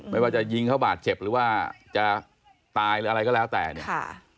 ไม่ว่าจะยิงเขาบาดเจ็บหรือว่าจะตายหรืออะไรก็แล้วแต่เนี่ยค่ะ